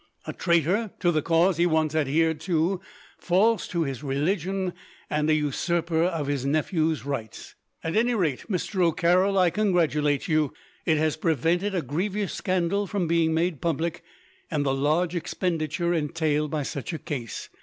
"A traitor to the cause he once adhered to, false to his religion, and a usurper of his nephew's rights. "At any rate, Mr. O'Carroll, I congratulate you. It has prevented a grievous scandal from being made public, and the large expenditure entailed by such a case.